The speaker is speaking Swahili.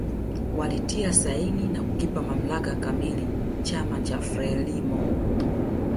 Walitia saini na kukipa mamlaka kamili chama cha Frelimo